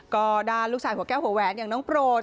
ก็ด้านลูกชายหัวแก้วหัวแหวนอย่างน้องโปรด